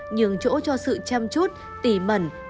nhưng chỗ cho sự chăm chút tỉ mẩn